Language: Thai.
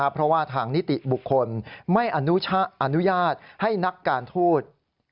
เพราะว่าทางนิติบุคคลไม่อนุญาตให้นักการทูต